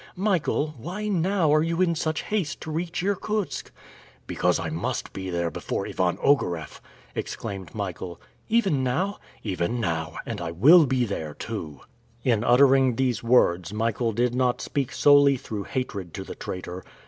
Michael, why, now, are you in such haste to reach Irkutsk?" "Because I must be there before Ivan Ogareff," exclaimed Michael. "Even now?" "Even now, and I will be there, too!" In uttering these words, Michael did not speak solely through hatred to the traitor.